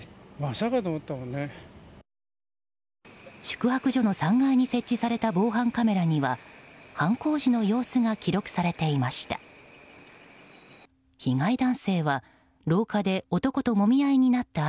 宿泊所の３階に設置された防犯カメラには犯行時の様子が記録されていました。